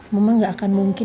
mama gak akan mungkin